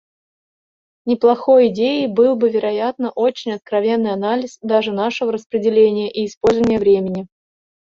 Неплохой идеей был бы, вероятно, очень откровенный анализ даже нашего распределения и использования времени.